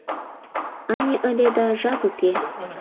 — Ане ыле да, жап уке.